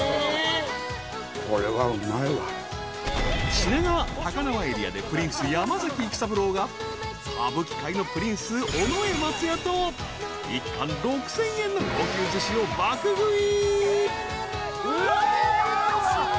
［品川高輪エリアでプリンス山崎育三郎が歌舞伎界のプリンス尾上松也と１貫６，０００円の高級ずしを爆食い］